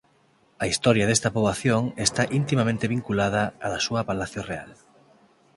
A historia desta poboación está intimamente vinculada á da súa Palacio Real.